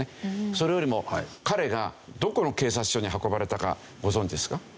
それよりも彼がどこの警察署に運ばれたかご存じですか？